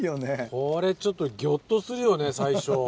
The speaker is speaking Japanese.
これちょっとぎょっとするよね最初。